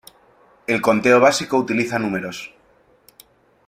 El conteo básico utiliza números.